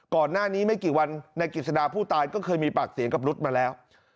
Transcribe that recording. ก่อนหน้านี้ไม่กี่วันนายกิจสดาผู้ตายก็เคยมีปากเสียงกับนุษย์มาแล้ว